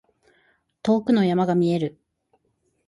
遠くの山が見える。